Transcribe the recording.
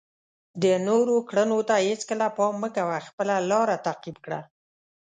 د نورو کړنو ته هیڅکله پام مه کوه، خپله لاره تعقیب کړه.